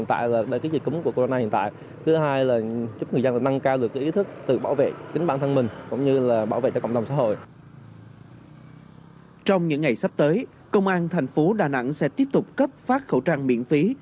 trong những ngày sắp tới công an thành phố đà nẵng sẽ tiếp tục cấp phát khẩu trang miễn phí